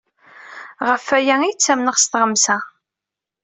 Ɣef waya ay ttamneɣ s Tɣemsa.